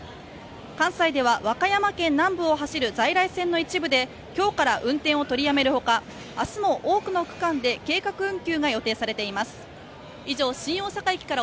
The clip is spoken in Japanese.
関西では和歌山県南部を走る在来線の一部できょうから運転を取りやめるほかあすも多くの区間で計画運休が予定されています